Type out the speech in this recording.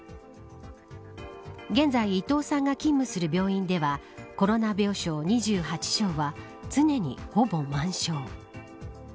現在伊藤さんが勤務する病院ではコロナ病床２８床は常にほぼ満床。